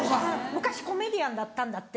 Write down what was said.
「昔コメディアンだったんだって？」。